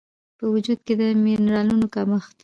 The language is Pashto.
په وجود کې د مېنرالونو کمښت